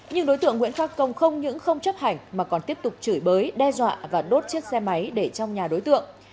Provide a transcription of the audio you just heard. nhưng đối tượng nguyễn khắc công không những không chấp hành mà còn tiếp tục chửi bới đe dọa và đốt chiếc xe máy để trong nhà đối tượng